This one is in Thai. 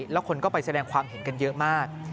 แล้วคนก็ไปแสดงความเห็นกันเยอะมาก